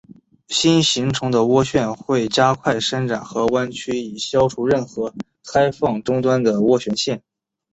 新形成的涡旋会快速伸展和弯曲以消除任何开放终端的涡旋线。